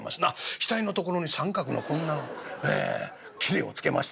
額のところに三角のこんな布をつけまして。